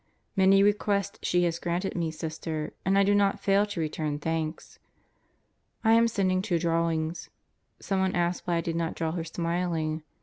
Many requests she has granted me, Sister; and I do not fail to return thanks. I am sending two drawings. ... Someone asked why I did not draw her smiling.